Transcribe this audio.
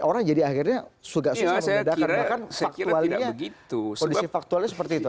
orang jadi akhirnya sudah susah mengedahkan bahkan faktualnya seperti itu